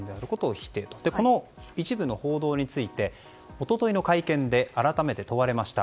この一部の報道について一昨日の会見で改めて問われました。